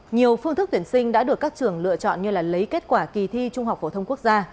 nhiều phương thức tuyển sinh đã được các trường lựa chọn như lấy kết quả kỳ thi trung học phổ thông quốc gia